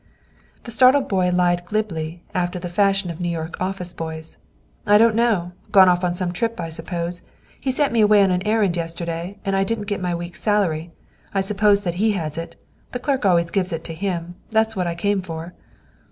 The startled boy lied glibly, after the fashion of New York office boys. "I don't know. Gone off on some trip, I suppose. He sent me away on an errand yesterday, and I didn't get my week's salary. I suppose that he has it. The pay clerk always gives it to him. That's what I came for."